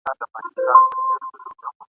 بس په پزه به پېزوان وړي په پېغور کي ..